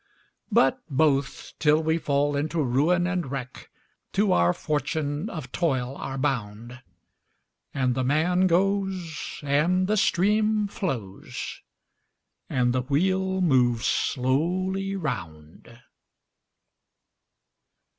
But both, till we fall into ruin and wreck, To our fortune of toil are bound; And the man goes, and the stream flows, And the wheel moves slowly round.